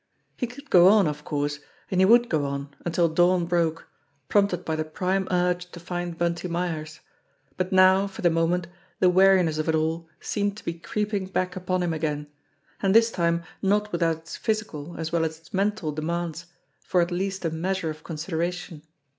He could go on, of course, and he would go on until dawn broke, prompted by the prime urge to find Bunty Myers ; but now, for the moment, the weariness of it all seemed to be creeping back upon him again, and this time not without its physical as well as its mental demands for at least a measure of consideration.